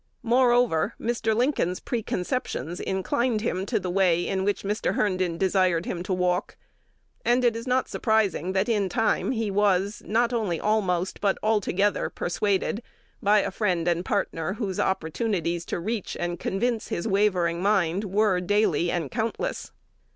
Moreover, Mr. Lincoln's preconceptions inclined him to the way in which Mr. Herndon desired him to walk; and it is not surprising that in time he was, not only almost, but altogether, persuaded by a friend and partner, whose opportunities to reach and convince his wavering mind were, daily and countless.